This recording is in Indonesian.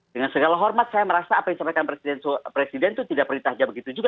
dengan segala hormat saya merasa apa yang disampaikan presiden itu tidak perintahnya begitu juga